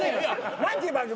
何ていう番組？